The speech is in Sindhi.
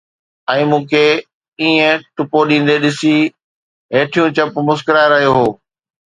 ۽ مون کي ائين ٽپو ڏيندي ڏسي، هيٺيون چپ مسڪرائي رهيون هيون